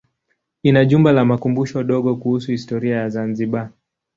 Ina jumba la makumbusho dogo kuhusu historia ya Zanzibar.